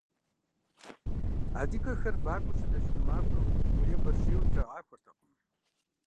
Адыгэхэр вакӀуэ щыдэкӀыну махуэр гъубжу е бэрэжьейуэ трагъахуэртэкъым.